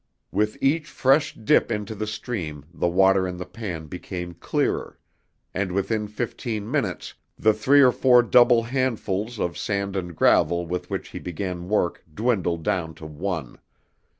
With each fresh dip into the stream the water in the pan became clearer, and within fifteen minutes the three or four double handfuls of sand and gravel with which he began work dwindled down to one.